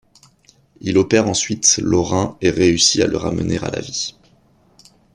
Il opère ensuite Lorrain et réussit à le ramener à la vie.